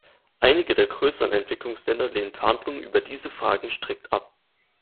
Einige der größeren Entwicklungsländer lehnen Verhandlungen über diese Fragen strikt ab.